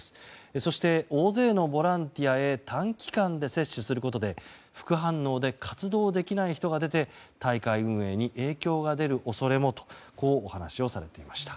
そして、大勢のボランティアへ短期間で接種することで副反応で活動できない人が出て大会運営に影響が出る恐れもとお話をされていました。